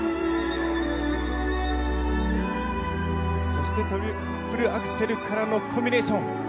そしてトリプルアクセルからのコンビネーション。